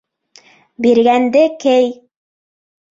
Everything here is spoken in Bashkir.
Биргәнде кей!